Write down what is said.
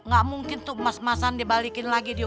gak mungkin tuh emas emasan dibalikin lagi di udiah